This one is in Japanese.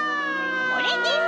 これです。